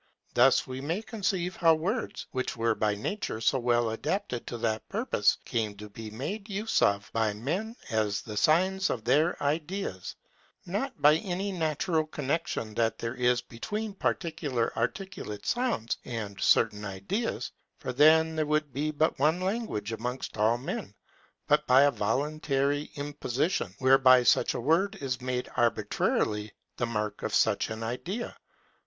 Thus we may conceive how WORDS, which were by nature so well adapted to that purpose, came to be made use of by men as the signs of their ideas; not by any natural connexion that there is between particular articulate sounds and certain ideas, for then there would be but one language amongst all men; but by a voluntary imposition, whereby such a word is made arbitrarily the mark of such an idea.